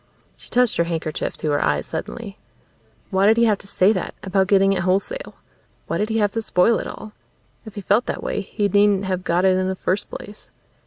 She touched her handkerchief to her eyes suddenly. Why did he have to say that, about getting it wholesale? Why did he have to spoil it all? If he felt that way he needn't have got it in the first place.